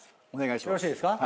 よろしいですか。